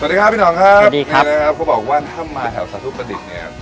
สวัสดีพี่น้องครับสวัสดีครับผมบอกว่าถ้ามาแถวสาธุประดิษฐ์